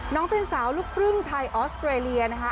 น้องเป็นสาวลูกครึ่งไทยออสเตรเลียนะคะ